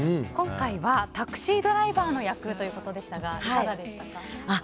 今回はタクシードライバーの役ということでしたがいかがでしたか？